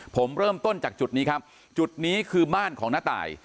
ผมเริ่มต้นจากจุดนี้ครับจุดนี้คือบ้านของน้าตาย